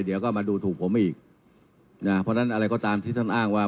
เดี๋ยวก็มาดูถูกผมอีกนะเพราะฉะนั้นอะไรก็ตามที่ท่านอ้างว่า